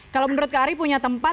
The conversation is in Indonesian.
kalau menurut kak ari punya tempat